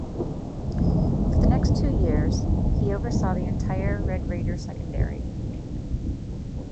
For the next two years he oversaw the entire Red Raider secondary.